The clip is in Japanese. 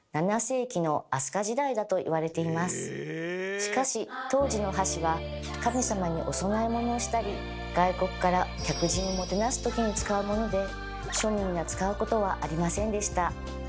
しかし当時の箸は神様にお供え物をしたり外国から客人をもてなす時に使うもので庶民が使うことはありませんでした。